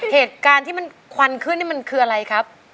เหตุการณ์ที่มันควันขึ้นนี่มันคืออะไรครับ